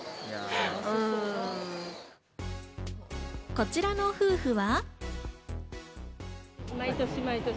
こちらの夫婦は。